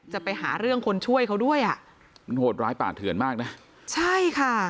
จะไปหาเรื่องคนช่วยเขาด้วยอ่ะมันโหดร้ายป่าเถื่อนมากนะใช่ค่ะ